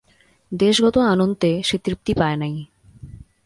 দেশগত আনন্ত্যে সে তৃপ্তি পায় নাই।